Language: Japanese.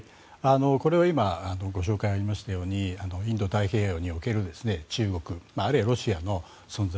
これは今、ご紹介ありましたようにインド太平洋における中国あるいはロシアの存在。